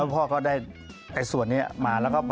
ตั้งแต่คุณพ่อตั้งแต่สมัยคุณพ่ออยู่บางจีนก็เลย